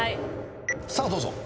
さあどうぞ。